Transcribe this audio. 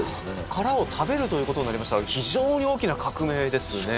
殻を食べることになりましたら非常に大きな革命ですね